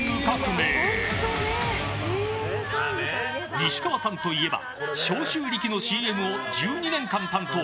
西川さんといえば消臭力のＣＭを１２年間担当。